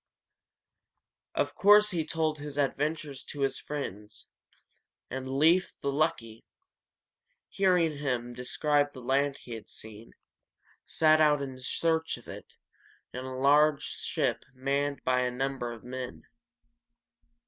Of course he told his adventures to his friends, and Leīf the Lucky, hearing him describe the land he had seen, set out in search of it, in a large ship manned by a number of men.